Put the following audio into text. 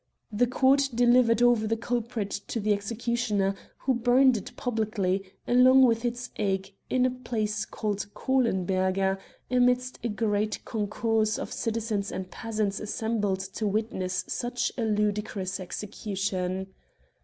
The court delivered over the culprit to the executioner, who burned it publicly, along with its egg, in a place called Kohlenberger, amidst a great concourse of citizens and peasants assembled to witness such a ludicrous execution.